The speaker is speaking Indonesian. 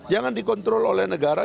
jangan dikontrol oleh negara